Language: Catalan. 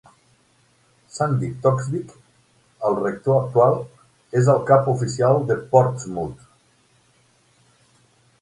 Sandi Toksvig, el rector actual, és el cap oficial de Portsmouth.